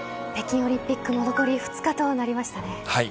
北京オリンピックも残り２日となりましたね。